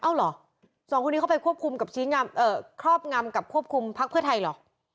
เอ้าหรอสองคนนี้เข้าไปครอบงำกับควบคุมพรรคเพื่อไทยหรอ